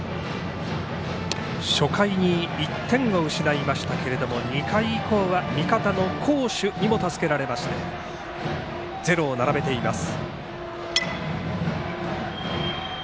初回に１点を失いましたけれども２回以降は味方の好守にも助けられましてゼロを並べています。